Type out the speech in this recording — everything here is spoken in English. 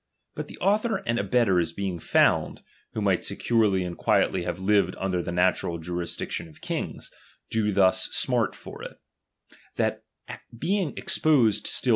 But the author and ^H abettors being found, who might securely and quietly have lived ^H under the natural jurisdiction of kings, do thus smart for it ; that ^H being exposed slil!